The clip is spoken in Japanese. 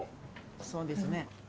そうですね。